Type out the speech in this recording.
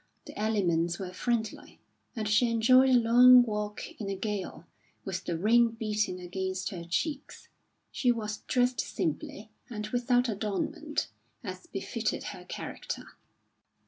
The elements were friendly, and she enjoyed a long walk in a gale, with the rain beating against her cheeks. She was dressed simply and without adornment, as befitted her character.